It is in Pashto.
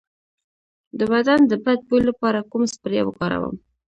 د بدن د بد بوی لپاره کوم سپری وکاروم؟